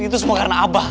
itu semua karena abah